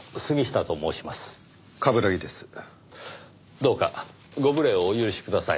どうかご無礼をお許しください。